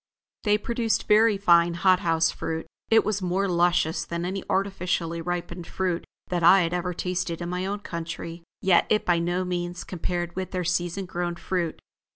They produced very fine hot house fruit. It was more luscious than any artificially ripened fruit that I had ever tasted in my own country, yet it by no means compared with their season grown fruit.